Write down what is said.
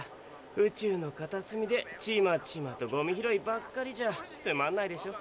宇宙の片すみでチマチマとゴミ拾いばっかりじゃつまんないでしょ。